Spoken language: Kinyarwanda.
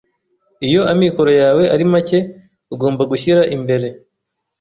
Iyo amikoro yawe ari make ugomba gushyira imbere.